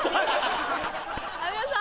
有吉さん